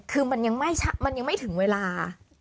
คือมันยังไม่ถึงเวลา